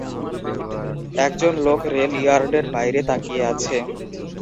একজন লোক রেল ইয়ার্ডের বাইরে তাকিয়ে আছে।